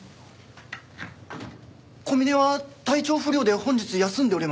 小峰は体調不良で本日休んでおりますが。